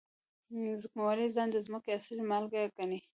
ځمکوال ځان د ځمکې اصلي مالک ګڼي